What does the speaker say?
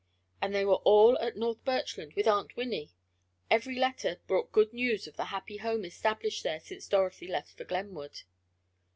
And they were all at North Birchland, with Aunt Winnie. Every letter brought good news of the happy home established there since Dorothy left for Glenwood.